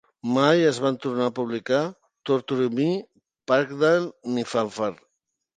Mai es van tornar a publicar "Torture Me", "Parkdale" ni "Fanfare".